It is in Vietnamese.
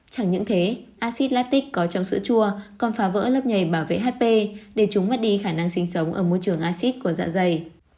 chẳng những thế acid latic có trong sữa chua còn phá vỡ lớp nhảy bảo vệ hp để chúng mất đi khả năng sinh sống ở môi trường acid của dạ dày